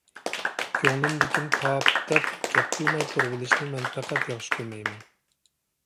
كۆڭلۈمدىكىنى تاپ، دەپ گەپ قىلماي تۇرۇۋېلىشنى مەن پەقەت ياخشى كۆرمەيمەن.